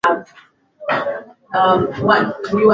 mafuta Ekuador kwa Kiswahili pia Ekwado ni nchi kwenye pwani ya